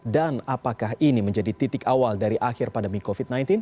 dan apakah ini menjadi titik awal dari akhir pandemi covid sembilan belas